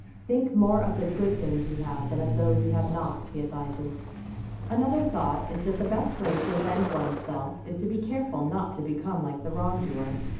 Think more of the good things you have than of those you have not, he advises. Another thought is that the best way to avenge one's self is to be careful not to become like the wrongdoer.